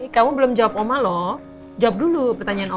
kamu belum jawab oma loh jawab dulu pertanyaan oma